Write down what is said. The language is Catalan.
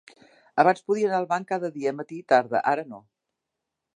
Abans podia anar al banc cada dia matí i tarda; ara no.